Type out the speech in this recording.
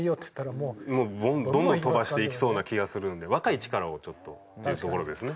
もうどんどん飛ばしていきそうな気がするんで若い力をちょっとっていうところですね。